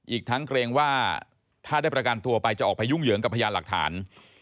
อีกทั้งเกรงว่าถ้าได้ประกันตัวไปจะออกไปยุ่งเหยิงกับพยานหลักฐาน